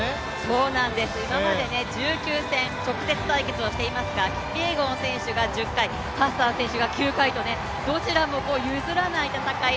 そうなんです、今まで１９戦、直接対決をしていますが、キピエゴン選手が１０回、ハッサン選手が９回と、どちらも譲らない戦い、